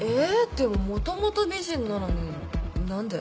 でももともと美人なのに何で？